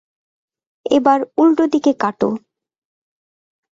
এবার উল্টো দিকে কাটো।